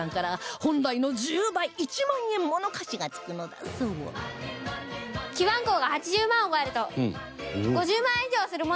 記番号が８０万を超えると５０万円以上するものもあるので。